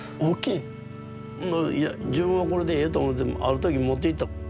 いや自分はこれでええと思ってある時持っていった。